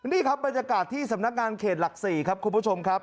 นี่ครับบรรยากาศที่สำนักงานเขตหลัก๔ครับคุณผู้ชมครับ